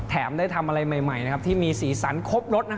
ได้ทำอะไรใหม่ที่มีสีสันครบรส